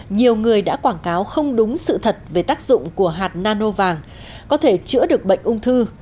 nhiều người đã quảng cáo không đúng sự thật về tác dụng của hạt nano vàng có thể chữa được bệnh ung thư